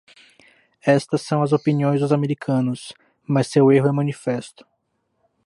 Estas são as opiniões dos americanos; mas seu erro é manifesto.